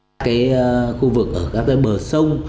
cái khu vực ở các cái bờ sông